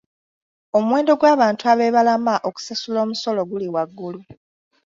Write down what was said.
Omuwendo gw'abantu ab'ebalama okusasula omusolo guli waggulu.